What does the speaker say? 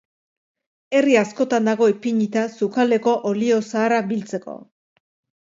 Herri askotan dago ipinita sukaldeko olio zaharra biltzeko.